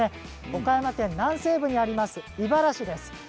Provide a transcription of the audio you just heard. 岡山県南西部にあります井原市です。